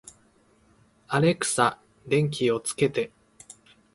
アレクサ、電気をつけて